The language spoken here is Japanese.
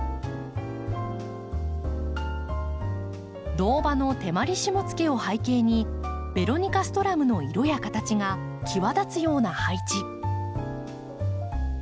銅葉のテマリシモツケを背景にベロニカストラムの色や形が際立つような配置。